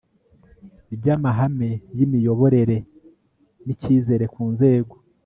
ry amahame y imiyoborere n icyizere ku nzego